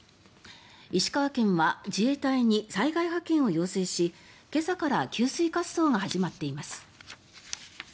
石川県は自衛隊に災害派遣を要請し今朝から給水活動が始まっています。